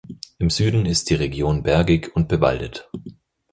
Im Süden ist die Region bergig und bewaldet.